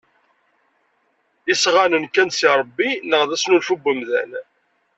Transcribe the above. Isɣanen kkan-d seg Ṛebbi neɣ d asnulfu n umdan?